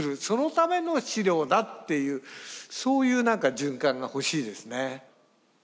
そのための飼料だというそういう何か循環が欲しいですね。